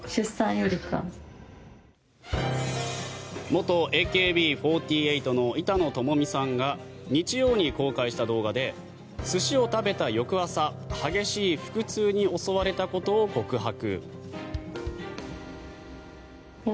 元ＡＫＢ４８の板野友美さんが日曜に公開した動画で寿司を食べた翌朝激しい腹痛に襲われたことを告白。